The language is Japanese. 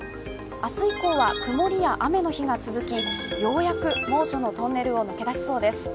明日以降は曇りや雨の日が続きようやく猛暑のトンネルを抜け出しそうです。